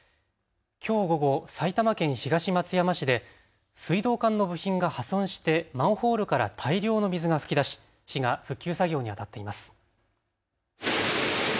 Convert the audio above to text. きょう午後、埼玉県東松山市で水道管の部品が破損してマンホールから大量の水が噴き出し市が復旧作業にあたっています。